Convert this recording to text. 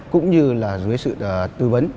cũng như dưới sự tư vấn